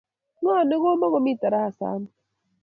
Ng'o ne komakomi tarasa amut?